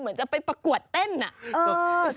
เหมือนจะไปประกวดเต้นอะ